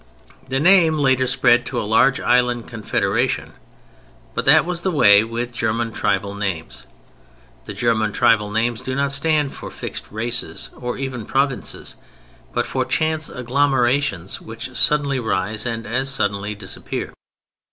The name later spread to a large island confederation: but that was the way with German tribal names. The German tribal names do not stand for fixed races or even provinces, but for chance agglomerations which suddenly rise and as suddenly disappear.